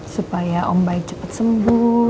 supaya om baik cepat sembuh